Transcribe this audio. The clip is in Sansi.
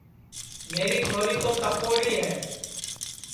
میری چھوری تو تپوڑی ہے